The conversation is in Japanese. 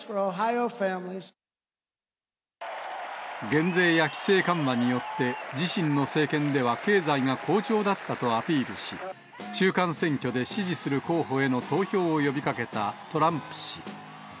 減税や規制緩和によって、自身の政権では経済が好調だったとアピールし、中間選挙で支持する候補への投票を呼びかけたトランプ氏。